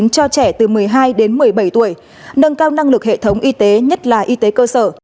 cho trẻ từ một mươi hai đến một mươi bảy tuổi nâng cao năng lực hệ thống y tế nhất là y tế cơ sở